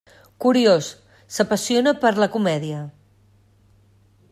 Curiós, s'apassiona per la comèdia.